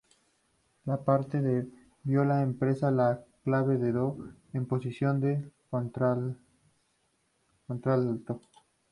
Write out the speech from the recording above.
La parte de viola emplea la clave de do en posición de contralto.